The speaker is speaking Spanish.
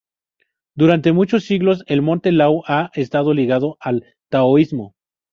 Durante muchos siglos el monte Lao ha estado ligada al taoísmo.